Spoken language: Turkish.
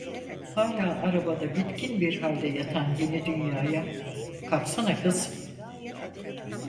Hala arabada bitkin bir halde yatan Yeni Dünya'ya: "Kalksana kız!"